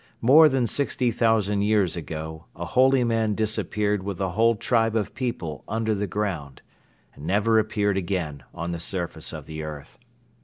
More than sixty thousand years ago a Holyman disappeared with a whole tribe of people under the ground and never appeared again on the surface of the earth.